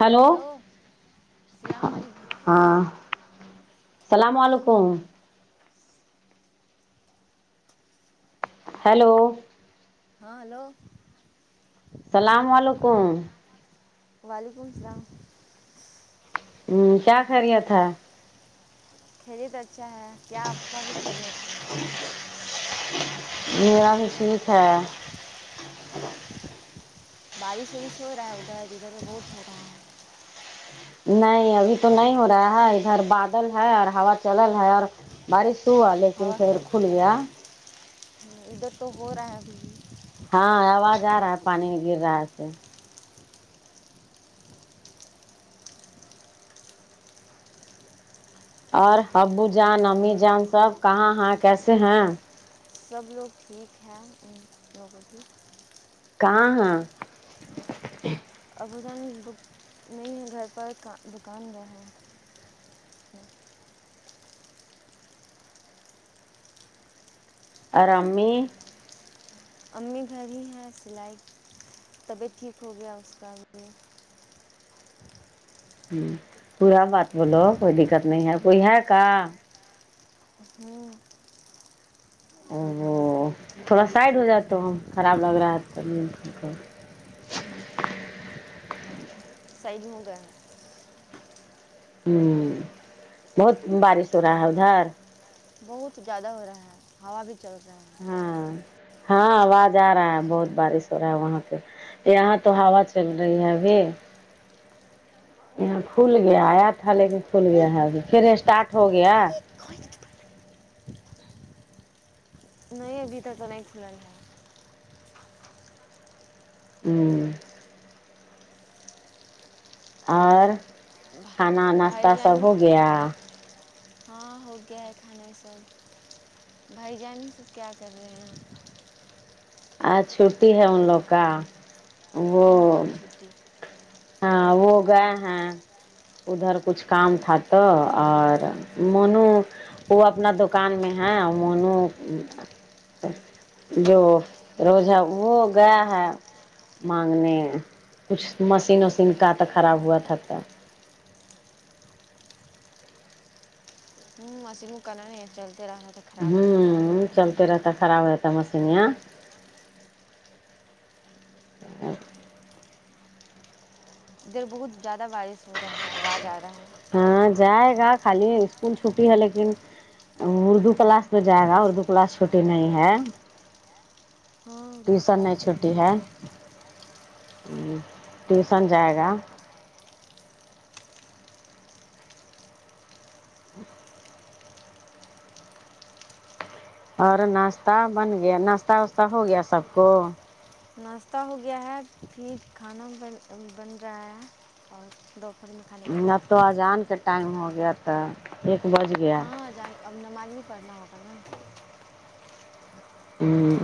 hello hello السلام علیکم ہاں سلام و علیکم ہیلو ہاں ہلو سلام و علیکم وعلیکم السلام ہمم کیا خیریت ہے خیریت اچھا ہے کیا آپ کا بھی خیریت ہو گا میرا بھی ٹھیک ہے بارش وارش ہو رہا ہے ادھر ادھر بہت ہو رہا ہے نہیں ابھی تو نہیں ہو رہا ہے ادھر بادل ہے اور ہوا چل رہا ہے اور بارش تو ہوا لیکن پھر کھل گیا ادھر تو ہو رہا ہے ابھی ہاں آواز آ رہا ہے پانی بھی گر رہا ہے سو اور ابو جان امی جان سب کہاں ہیں کیسے ہیں سب لوگ ٹھیک ہیں ان لوگوں کی کہاں ہے ابو جان نہیں ہے گھر پر کا دکان گئے ہیں اور امی امی گھر ہی ہیں سلائی طبیعت ٹھیک ہو گیا اس کا ہ پورا بات بولو کوئی دقت نہیں ہے کوئی ہے کا ہوں او تھوڑا سائڈ ہو جاؤ تو خراب لگ رہا ہے تو سائڈ ہوگے ہوں بہت بارش ہو رہا ہے ادھر بہت زیادہ ہو رہے ہیں ہوا بھی چل رہا ہیں ہاں ہاں آواز آ رہا ہے بہت بارش ہو رہا ہے وہاں پہ یہاں تو ہوا چل رہی ہے ابھی یہاں کھل گیا آیا تھا لے کے کھل گیا ہے پھر اسٹارٹ ہو گیا ہے نہیں ابھی تک تو نہیں کھلا ہے ہوں اور کھانا بھا- بھائی ناشتہ جان سب ہو گیا ہاں ہو گیا ہے کھانا سب بھائی جان سب کیا کر رہے ہیں آج چھٹی ہے ان لوگ کا وہ ان کا بھی چھٹی ہاں وہ گیے ہیں ادھر کچھ کام تھا تو اور او مونو وہ اپنا دکان میں ہے مونو جو روز ہے وہ گیا ہے مانگنے کچھ مشین او وشین کا تو خراب ہوا تھا تو ہ مشین کانا نہیں چلتے رہنا تھا ہوں چلتے رہتا خراب ہوجاتا مشین یہاں اور ادھر بہت زیادہ بارش ہو رہا ہے آواز آ رہا ہے ہاں جائے گا خالی اسکول چھٹی ہے لیکن اردو کلاس تو جائے گا اردو کلاس چھوٹی نہیں ہے ہاں اردو ٹیوسن نہیں کلاس کا بھی چھٹی ہے نہیں ٹیوسن جائے گا اور ناشتہ بن گیا ناشتہ واشتہ ہو گیا سب کو ناشتہ ہو گیا ہے پھر کھانا بن بن رہا ہے اور دو اب تو اذان کے ٹائم ہو گیا تو ایک بج گیا ہاں جان اب نماز ہی پڑھنا ہوتا نا آپ کو ہوں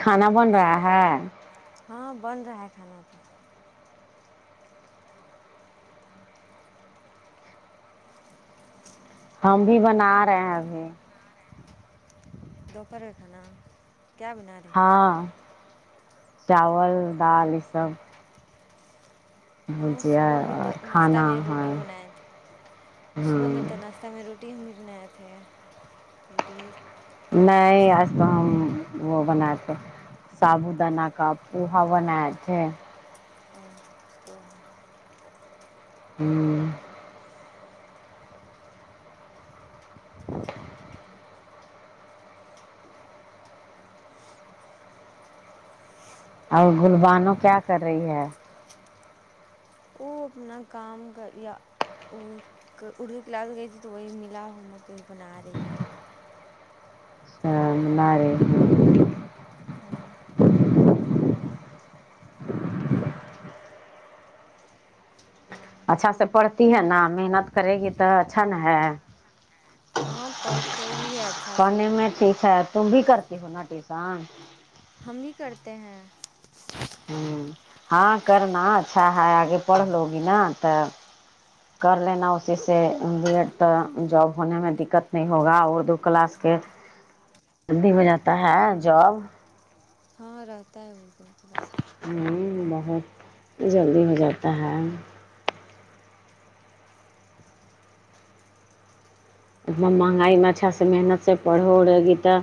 کھانا بن رہا ہے ہاں بن رہا ہے کھانا تو ہم بھی بنا رہے ہیں ابھی دوپہر کا کھانا کیا بنا تھا ہاں چاول دال یہ سب ہاں بھجیا صبح میں تو اور ناشتہ کھانا میں ہے روٹی بنائے تھے صبح میں ہاں تو ناش تہ میں روٹی ہم بھی بنائے تھے روٹی نہیں آج تو ہم وہ بناتے سابو دانہ کا پوہا بنائے تھے وہ ہمم اور گل بانو کیا کر رہی ہے اپنا کام کریا اور اردو کلاس گئی تھی تو وہی ملا ہوم ورک ابھی بنا رہی ہے [unintelligible] ہوں اچھا سے پڑھتی ہے نا محنت کرے گی تو اچھن ہے ہاں پڑھ تو رہی ہے اچھا سے پڑھنے میں ٹھیک ہے تم بھی کرتی ہونا ٹیوسن ہم بھی کرتے ہیں ہمم ہاں کرنا اچھا ہے آگے پڑھ لو گی نا تا کر لینا اسی سے بی ایڈ تو جاب ہونے میں دقت نہیں ہوگا اردو کلاس کے ہو جاتا ہے جاب ہاں رہتا ہے وہ تو اردو کی کلاس کا، ہمم بہت جلدی ہو جاتا ہے اتنا مہنگائی میں اچھا سے محنت سے پڑو رہے گیتا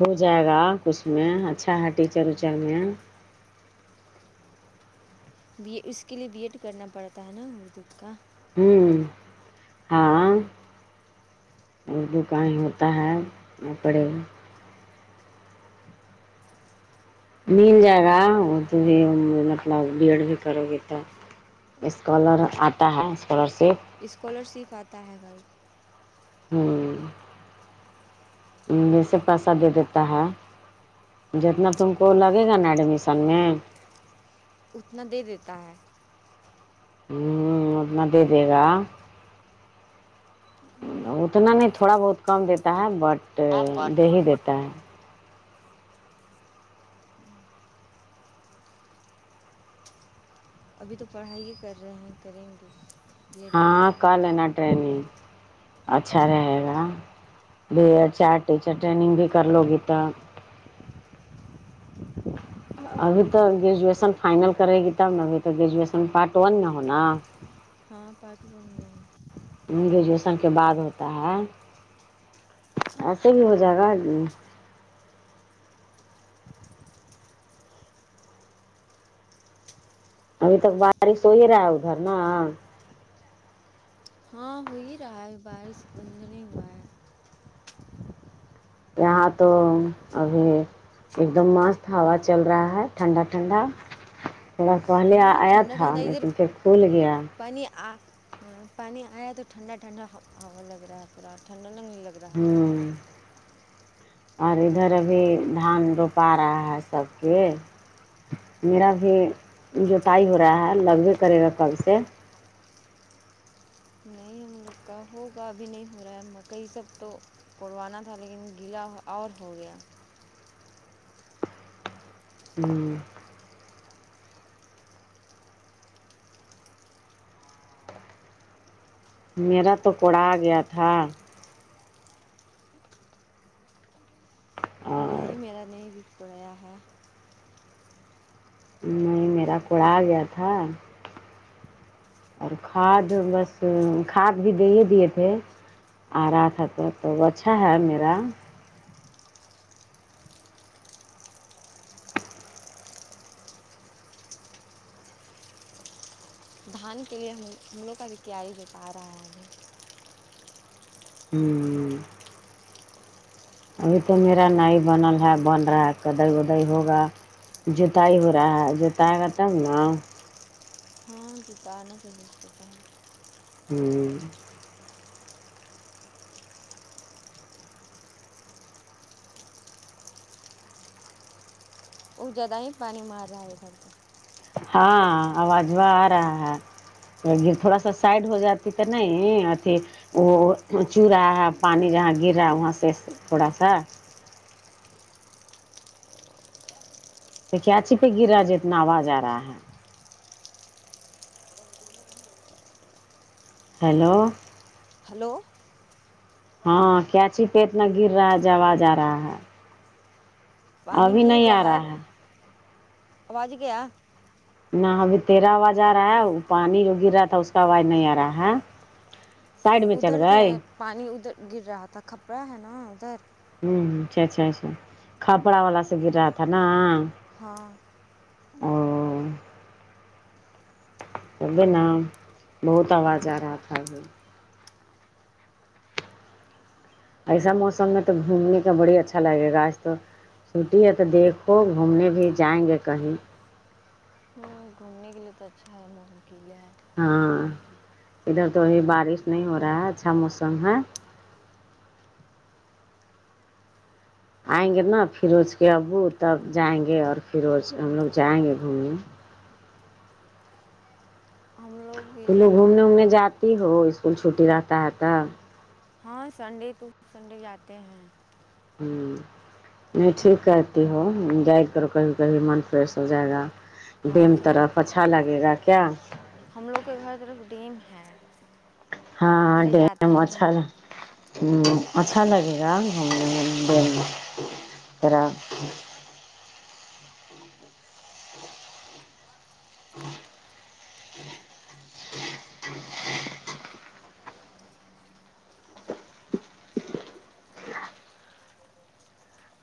ہو جائے گا اس میں اچھا ہے ٹیچر ویچر میں بی اس کے لیے بی ایڈ کرنا پڑتا ہے نا اردو کا ہمم ہاں اردو کا ہی ہوتا ہے پڑے مل جائے گا وہ تو مطلب بی ایڈ بھی کرو گے تو اسکالر آتا ہے اسکالر شپ اسکالر شپ آتا ہے گھر ہمم میں سے پیسہ دے دیتا ہے جتنا تم کو لگے گا نا ایڈمیشن میں اتنا دے دیتا ہے ہمم اتنا دے دے گا اتنا نہیں تھوڑا بہت کم دیتا ہے بٹ ہے دے ہی دیتا ہے ابھی تو پڑھائی ہی کر رہے ہیں کریں گے بی ایڈ بھی کا لینا ٹرینینگ اچھا رہے گا بھی چار ٹیچر ٹریننگ بھی کر لو گی تو ابھی تو گریجویشن فائنل کرے گی تب نا ابھی تو گریجویشن پارٹ ون میں ہونا ہاں پارٹ ون میں ہے گریجویشن کے بعد ہوتا ہے ایسے بھی ہو جائے گا ابھی تک بارش ہو ہی رہا ہے ادھر نا ہاں ہو ہی رہا ہے بارش بند نہیں ہوا ہے یہاں تو ابھی ایک دم مست ہوا چل رہا ہے ٹھنڈا ٹھنڈا تھوڑا پہلے ہاں آیا ٹھنڈا تھا ٹھنڈا ادھر لیکن پھر کھل گیا پانی آ پانی آیا ہے تو ٹھنڈا ٹھنڈا ہوا لگ رہا ہے پورا ٹھنڈا لگنے لگ رہا ہے ہمم اور ادھر ابھی دھان روپا رہا ہے سب کے میرا بھی [unintelligible] نہیں لوگ کا ہوگا ابھی نہیں ہو رہا ہے مکئی سب تو کروانا تھا لیکن گیلا اور ہو گیا ہوں میرا تو کوڑا آ گیا تھا اور نہیں میرا نہیں وکھ پڑیا ہے نہیں میرا کوڑا آ گیا تھا اور کھاد بس کھاد بھی دے ہی دیے تھے آ رہا تھا تو تو وہ اچھا ہےاب میرا دھان کے لیے ہم ہملوں کا بھی کیا ہی بتا رہا ہے ہوں ابھی تو میرا نئے بنل ہے بن رہا ہے کدئی ودئی ہوگا جتائی ہو رہا ہے جوتایا گا تب نا ہاں جتانا چاہیے اسکو تو ہوں وہ زیادہ ہی پانی مار رہا ہے گھر تک ہاں آواز وہ آ رہا ہے تھوڑا سا سائڈ ہو جاتی تو نہیں آتی وہ چو رہا ہے پانی جہاں گر رہا ہے وہاں سے تھوڑا سا کیا چھپے گرا جتنا آواز آ رہا ہے ہیلو ہیلو ہاں کیاچی پیٹ میں گر رہا ہے جو آواز آ رہا ہے پانی ابھی گر نہیں آ رہا ہے آواز گیا نہ ابھی تیرا آواز آ رہا ہے وہ پانی جو گر رہا تھا اس کا آواز نہیں آ رہا ہے سائڈ میں چل ادھر تھے گئے پانی ادھر گر رہا تھا کھپرا ہے نا ادھر ہمم اچھا اچھا اچھا کھپڑا والا سے گر رہا تھا نا ہاں اور اب نا بہت آواز آ رہا تھا ابھی ایسا موسم میں تو گھومنے کا بڑی اچھا لگے گاآج تو چھٹی ہے تو دیکھو گھومنے بھی جائیں گے کہیں یے تو اچھا ہے محور کیلے ہے ہاں ادھر تو ہی بارش نہیں ہو رہا ہے اچھا موسم ہے آئیں گے نا فروز کے ابو تب جائیں گے اور فروز ہم لوگ جائیں گے گھومنے ہم بھی تم لوگ جانا گھومنے تھا وومنے لیکن جاتی ہو اسکول چھٹی رہتا ہے تب ہاں سنڈے ٹو سنڈے جاتے ہیں ہوں نہیں ٹھیک کہتی ہو جائے کرو کبھی کبھی من فریش ہو جائے گا ہاں بم تھوڑا طرف تھوڑا اچھا لگے گا کیا ہم لوگ کے گھر طرف ڈیم ہے ہاں ادھرے جاتے ڈیم ہیں اچھا ہے گھومنے نہ ہمم اچھا لگے گا گھومنے دونوں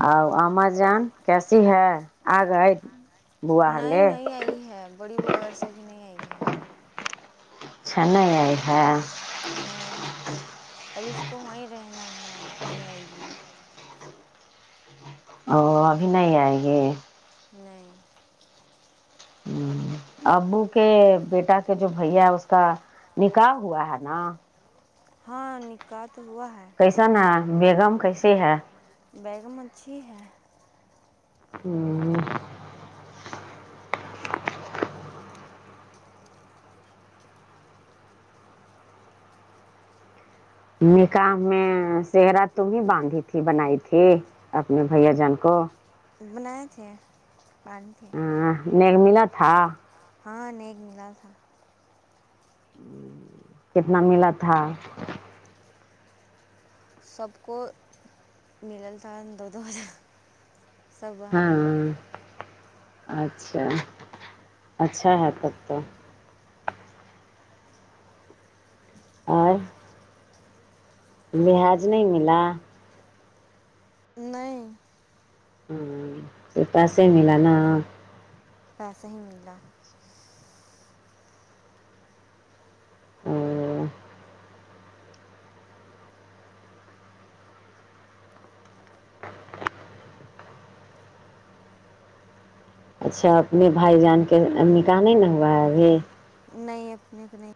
اور اماجان کیسی ہے آ گئے بوا نہیں لے نہیں آئی ہے بڑی بوا گھر سے ابھی نہیں آئی ہے اچھا نہیں آئے ہے نہیں ابھی اس کو وہیں رہنا ہے ابھی نہیں آئے گی او ابھی نہیں آئے گے نہیں ہ ابو کے بیٹا کے جو بھیا ہے اس کا نکاح ہوا ہے نا ہاں نکاح تو ہوا ہے کیسن آیا بیگم کیسی ہے بیگم اچھی ہے ہوں نکاح میں سہرا تم ہی باندھی تھی بنائی تھی اپنے بھیاجان کو بنائے تھے باندھے ہاں نیک میلا تھا ہاں نیک ملا تھا ہ کتنا ملا تھا سب کو نکلتا دو دو ہزار سب بہن لوگ ہاں اچھا اچھا ہے تب تو اور لہج نہیں ملا نہیں ہاں ص پیسے ملا نا پیسہ ہی ملا ہوں اچھا اپنے بھائی جان کے نکاح میں منگوایا یہ نہیں اپنے کو نہیں